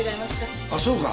あっそうか。